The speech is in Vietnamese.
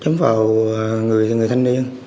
chấm vào người thanh niên